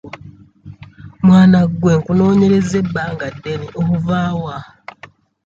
Mwana gwe nkunoonyerezza ebbanga ddene ova wa?